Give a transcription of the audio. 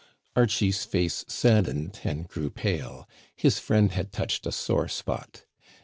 Archie's face saddened and grew pale ; his friend had touched a sore spot.